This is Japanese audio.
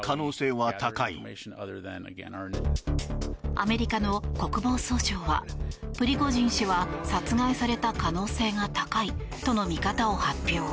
アメリカの国防総省はプリゴジン氏は殺害された可能性が高いとの見方を発表。